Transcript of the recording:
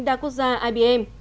đa quốc gia ibm